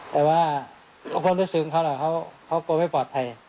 แต่ว่าความรู้สึกของเขาแหละเขากลัวไม่ปลอดภัย